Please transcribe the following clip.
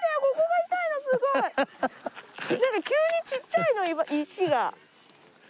なんか急にちっちゃいの石が。